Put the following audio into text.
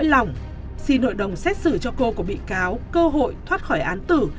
lòng xin hội đồng xét xử cho cô của bị cáo cơ hội thoát khỏi án tử